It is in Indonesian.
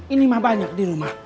ini mah banyak di rumah